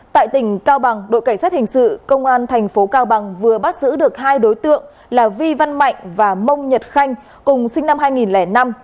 tại tỉnh cao bằng đội cảnh sát hình sự công an thành phố cao bằng vừa bắt giữ được hai đối tượng là vi văn mạnh và mông nhật khanh cùng sinh năm hai nghìn năm